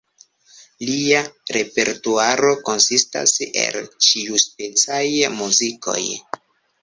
Lia repertuaro konsistas el ĉiuspecaj muzikoj.